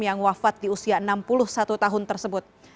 yang wafat di usia enam puluh satu tahun tersebut